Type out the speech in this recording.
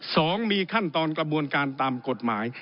สองมีขั้นตอนกระบวนการตามกฎหมาย